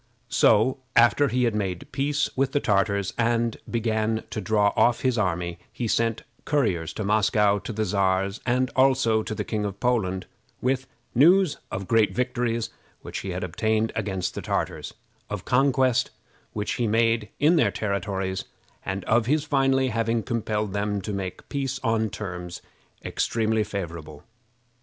So, after he had made peace with the Tartars, and began to draw off his army, he sent couriers to Moscow to the Czars, and also to the King in Poland, with news of great victories which he had obtained against the Tartars, of conquests which he made in their territories, and of his finally having compelled them to make peace on terms extremely favorable.